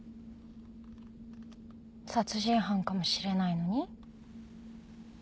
殺人犯かもしれないのに？